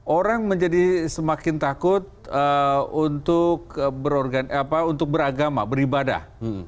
orang menjadi semakin takut untuk beragama beribadah